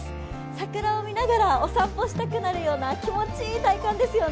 桜を見ながらお散歩したくなるような気持ちいい体感ですよね。